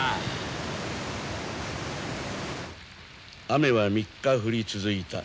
雨は３日降り続いた。